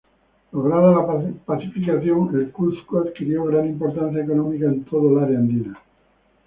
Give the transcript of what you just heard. Lograda la pacificación, el Cuzco adquirió gran importancia económica en toda el área andina.